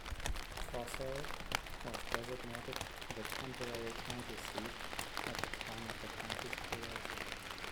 Fossil was designated the temporary county seat at the time of the county's creation.